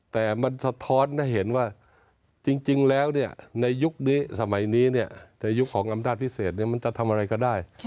แต่มันสะท้อนให้เห็นว่าจริงแล้วในยุคนี้สมัยนี้ในยุคของอำนาจพิเศษมันจะทำอะไรก็ได้